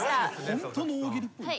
ホントの大喜利っぽい。